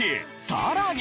さらに。